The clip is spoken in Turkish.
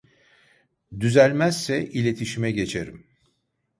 Düzelmezse iletişime geçerim